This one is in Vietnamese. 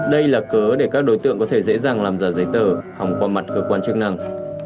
đây là cớ để các đối tượng có thể dễ dàng làm giả giấy tờ hòng qua mặt cơ quan chức năng